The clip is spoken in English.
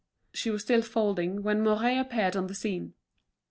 She was still folding, when Mouret appeared on the scene.